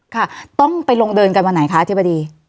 ค่ะต้องไปลงเดินกันวันไหนคะอธิบดี